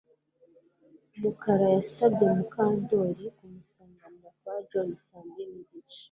Mukara yasabye Mukandoli kumusanganira kwa John saa mbiri nigice